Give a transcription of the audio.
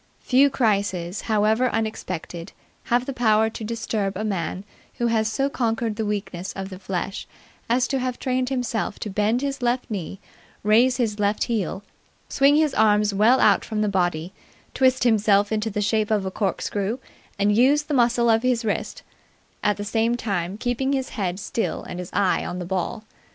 Few crises, however unexpected, have the power to disturb a man who has so conquered the weakness of the flesh as to have trained himself to bend his left knee, raise his left heel, swing his arms well out from the body, twist himself into the shape of a corkscrew and use the muscle of the wrist, at the same time keeping his head still and his eye on the ball.